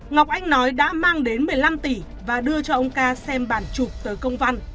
ngọc anh nói đã mang đến một mươi năm tỷ và đưa cho ông ca xem bản chụp tới công văn